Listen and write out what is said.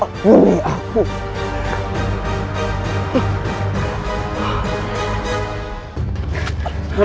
ampuni aku raden